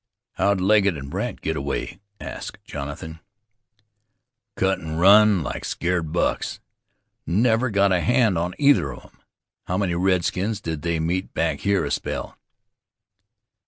"How'd Legget and Brandt get away?" asked Jonathan. "Cut an' run like scared bucks. Never got a hand on either of 'em." "How many redskins did they meet back here a spell?"